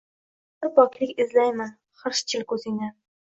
bir poklik izlayman hirschil ko’zingdan.